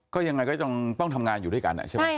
ก็ยังไงก็ต้องทำงานอยู่ด้วยกันใช่ไหม